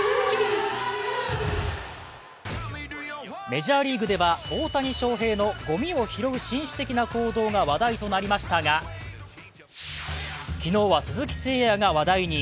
メジャーリーグでは大谷翔平のごみを拾う紳士的な行動が話題となりましたが昨日は鈴木誠也が話題に。